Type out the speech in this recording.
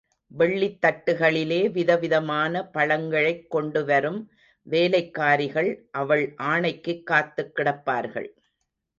வெள்ளித் தட்டுக்களிலே விதவிதமான பழங்களைக் கொண்டு வரும் வேலைக்காரிகள் அவள் ஆணைக்குக் காத்துக் கிடப்பார்கள்.